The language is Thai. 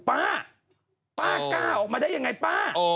ป๊ากล้าออกมาได้ยังไงป๊า